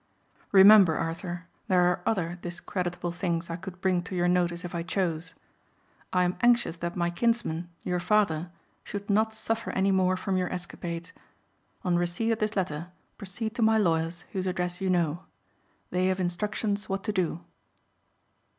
Remember, Arthur, there are other discreditable things I could bring to your notice if I chose. I am anxious that my kinsman, your father, should not suffer any more from your escapades. On receipt of this letter proceed to my lawyers whose address you know. They have instructions what to do."